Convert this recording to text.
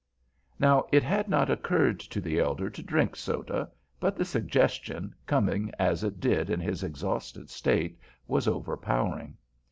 Now it had not occurred to the elder to drink soda, but the suggestion, coming as it did in his exhausted state, was overpowering.